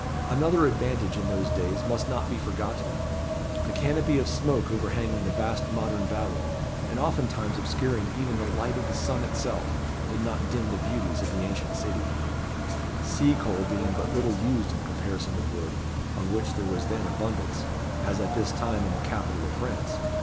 Another advantage in those days must not be forgotten. The canopy of smoke overhanging the vast Modern Babel, and oftentimes obscuring even the light of the sun itself, did not dim the beauties of the Ancient City, sea coal being but little used in comparison with wood, of which there was then abundance, as at this time in the capital of France.